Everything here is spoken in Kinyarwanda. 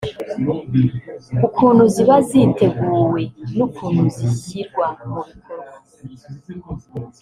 ukuntu ziba ziteguwe n’ukuntu zishyirwa mu bikorwa